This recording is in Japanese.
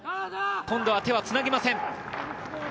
今度は手はつなぎません。